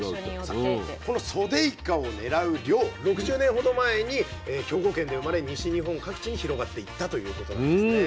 さあこのソデイカを狙う漁６０年ほど前に兵庫県で生まれ西日本各地に広がっていったということなんですね。